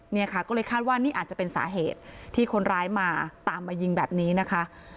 เนี่ยค่ะก็เลยคาดว่านี่อาจจะเป็นสาเหตุที่คนร้ายมาตามมายิงแบบนี้นะคะ